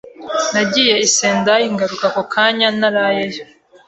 Nagiye i Sendai ngaruka ako kanya ntarayeyo.